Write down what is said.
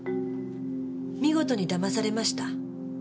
見事に騙されました。